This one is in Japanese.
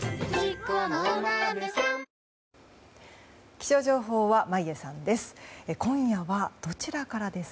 気象情報は眞家さんです。